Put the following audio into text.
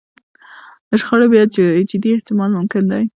د شخړو بیا جدي احتمال ممکن دی.